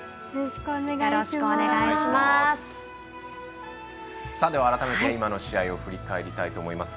よろしくお願いします。